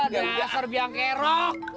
yaudah serbiang kero